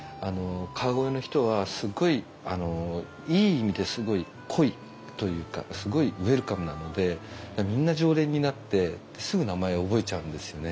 川越の人はすごいいい意味ですごい濃いというかすごいウェルカムなのでみんな常連になってすぐ名前を覚えちゃうんですよね。